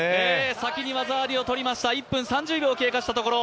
先に技ありをとりました、１分３０秒を経過したところ。